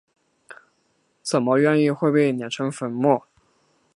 怎么愿意会被碾成粉末？